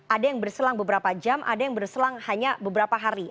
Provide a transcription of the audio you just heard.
ada yang berselang beberapa jam ada yang berselang hanya beberapa hari